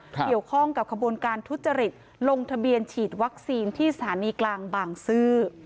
เกี่ยวข้องกับขบวนการทุจริตลงทะเบียนฉีดวัคซีนที่สถานีกลางบางซื่อ